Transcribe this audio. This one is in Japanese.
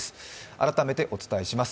改めてお伝えします。